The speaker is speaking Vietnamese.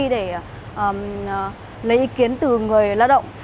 để lấy ý kiến từ người lao động